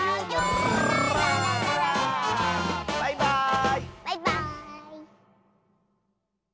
バイバーイ！